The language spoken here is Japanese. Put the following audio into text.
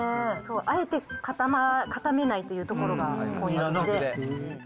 あえて固めないというところがポイント。